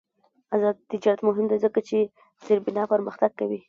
آزاد تجارت مهم دی ځکه چې زیربنا پرمختګ کوي.